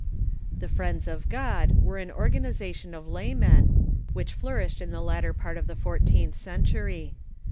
The Friends of God Avcre an organization of laymen, which flourished in the latter part of the fourteenth century.